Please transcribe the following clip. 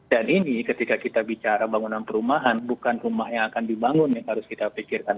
dan ini ketika kita bicara bangunan perumahan bukan rumah yang akan dibangun yang harus kita pikirkan